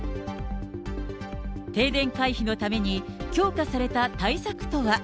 停電回避のために強化された対策とは。